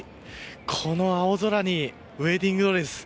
この青空にウエディングドレス。